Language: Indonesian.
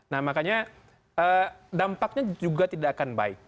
nah makanya dampaknya juga tidak akan baik